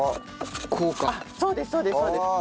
そうですね。